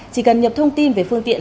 chỉ cần nhập thông tin về phương tiện